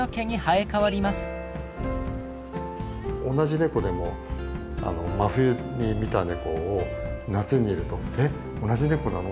同じ猫でも真冬に見た猫を夏に見ると「えっ同じ猫なの？